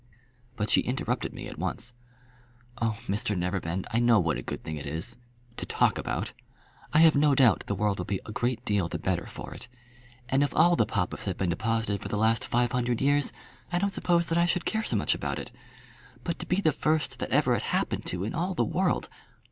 But she interrupted me at once. "Oh, Mr Neverbend, I know what a good thing it is to talk about. I have no doubt the world will be a great deal the better for it. And if all the papas had been deposited for the last five hundred years, I don't suppose that I should care so much about it. But to be the first that ever it happened to in all the world!